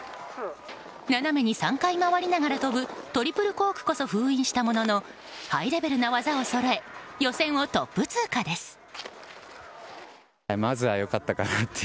斜めに３回回りながら飛ぶトリプルコークこそ封印したもののハイレベルな技をそろえ予選をトップ通過です。